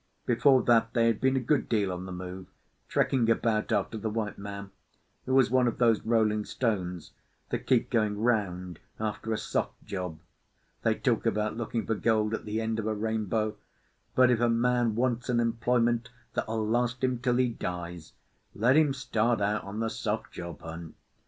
Before that they had been a good deal on the move, trekking about after the white man, who was one of those rolling stones that keep going round after a soft job. They talk about looking for gold at the end of a rainbow; but if a man wants an employment that'll last him till he dies, let him start out on the soft job hunt.